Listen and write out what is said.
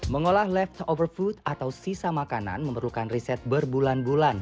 mengolah leftover food atau sisa makanan memerlukan riset berbulan bulan